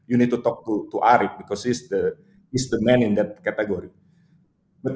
anda harus berbicara dengan arik karena dia adalah orang yang berada di kategori itu